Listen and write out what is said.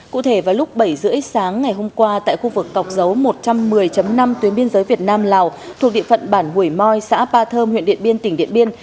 cụ thể vào lúc bảy h ba mươi sáng ngày hôm qua tại khu vực cọc dấu một trăm một mươi năm tuyến biên giới việt nam lào thuộc địa phận bản hủy môi xã ba thơm huyện điện biên tỉnh điện biên